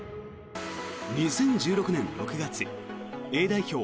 ２０１６年６月、Ａ代表